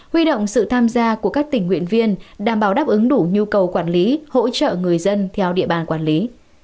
huy động sự tham gia của các tình nguyện viên đảm bảo đáp ứng đủ nhu cầu quản lý hỗ trợ người dân theo địa bàn quản lý